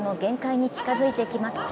体力も限界に近づいてきます。